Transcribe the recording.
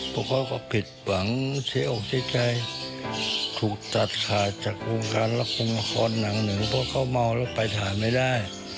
พวกเขาก็ผิดหวังเสียอกเสียใจถูกตัดขาดจากวงการละครงละครหนังหนึ่งเพราะเขาเมาแล้วไปทานไม่ได้